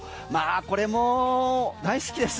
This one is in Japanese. これも大好きです。